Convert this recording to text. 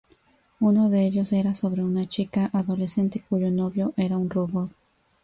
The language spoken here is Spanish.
Uno de ellos era sobre una chica adolescente cuyo novio era un robot.